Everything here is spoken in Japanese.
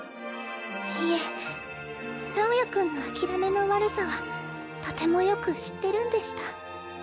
いえ直也君の諦めの悪さはとてもよく知ってるんでした。